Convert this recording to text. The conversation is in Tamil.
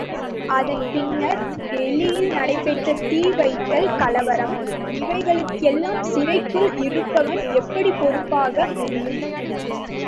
அதன் பின்னர் வெளியில் நடைபெற்ற தீ வைத்தல், கலவரம் இவைகளுக்கெல்லாம் சிறைக்குள் இருப்பவன் எப்படிப் பொறுப்பாக முடியும்?